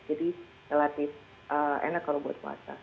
jadi relatif enak kalau buat puasa